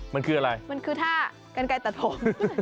มันคืออะไรมันคือท่ากันไกลตัดผม